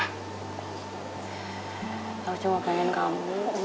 aku cuma pengen kamu